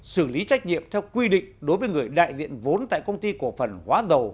xử lý trách nhiệm theo quy định đối với người đại diện vốn tại công ty cổ phần hóa dầu